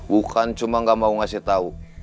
bukan cuma gak mau ngasih tau